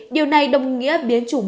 điều này đồng nghĩa biến chủng